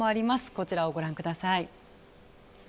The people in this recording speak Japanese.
こちらをご覧ください。